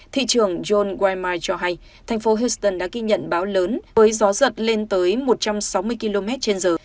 thị trưởng john wima cho hay thành phố houston đã ghi nhận báo lớn với gió giật lên tới một trăm sáu mươi km trên giờ